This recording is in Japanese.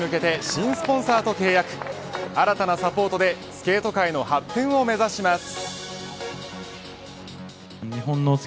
新たなサポートでスケート界の発展を目指します。